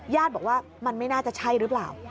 ญาติบอกว่ามันไม่น่าจะใช่หรือเปล่า